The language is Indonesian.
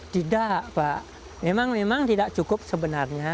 tidak pak memang memang tidak cukup sebenarnya